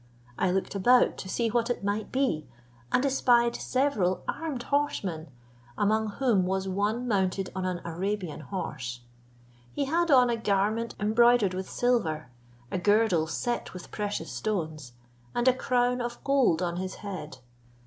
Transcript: I looked about to see what it might be, and espied several armed horsemen, among whom was one mounted on an Arabian horse. He had on a garment embroidered with silver, a girdle set with precious stones, and a crown of gold on his head.